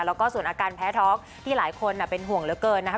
แล้วก็ส่วนอาการแพ้ท้องที่หลายคนเป็นห่วงเหลือเกินนะคะ